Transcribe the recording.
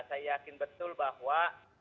saya yakin betul bahwa